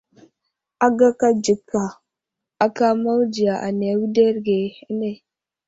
Agaka dzəka aka mawudiya ane awuderge ane .